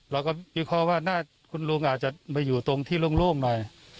เราก็วิเคราะห์ว่าคุณลุงอาจจะมาอยู่ตรงที่โล่งหน่อย